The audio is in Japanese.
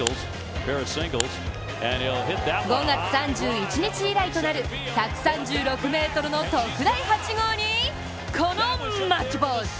５月３１日以来となる１３６ｍの特大８号にこのマッチョポーズ！